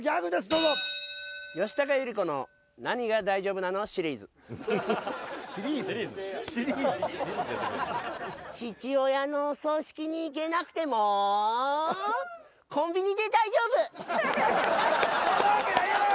どうぞ吉高由里子の何が大丈夫なのシリーズ父親の葬式に行けなくてもコンビニで大丈夫そんなわけないやろ！